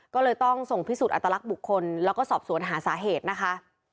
ก็เลยต้องส่งพิสูจน์อัตลักษณ์บุคคลแล้วก็สอบสวนหาสาเหตุนะคะ